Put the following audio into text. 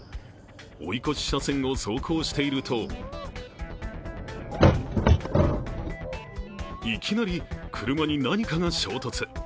追い越し車線を走行しているといきなり車に何かが衝突。